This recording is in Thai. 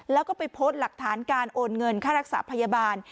แล้วก็ไปโพสต์หลักฐานการโอนเงินค่ารักษาพยาบาล